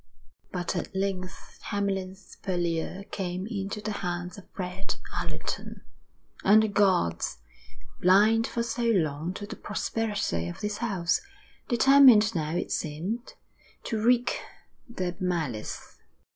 But at length Hamlyn's Purlieu came into the hands of Fred Allerton; and the gods, blind for so long to the prosperity of this house, determined now, it seemed, to wreak their malice.